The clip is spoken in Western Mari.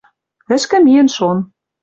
Тӹшкӹ миэн шон.